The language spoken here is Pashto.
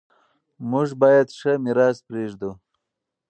موږ باید ښه میراث پریږدو.